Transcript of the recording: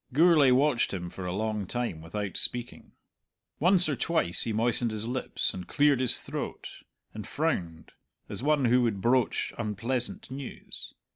Gourlay watched him for a long time without speaking. Once or twice he moistened his lips, and cleared his throat, and frowned, as one who would broach unpleasant news.